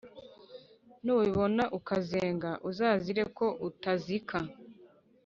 Nubibona ukazenga Uzazire ko utazika ?!